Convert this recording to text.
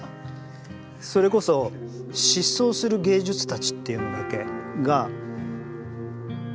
それこそ「疾走する芸術たち」っていうのだけが残ってるから。